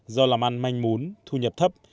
do làm ăn manh mún thu nhập thấp